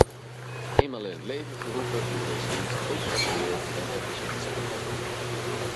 Eenmaal in het leven geroepen moet deze dienst operationeel en efficiënt zijn.